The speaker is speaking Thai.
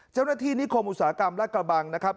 เจ้าหน้าที่นิคมอุตสาหกรรมและกระบังนะครับ